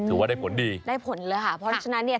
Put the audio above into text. ถือว่าได้ผลดีได้ผลเลยค่ะเพราะฉะนั้นเนี่ย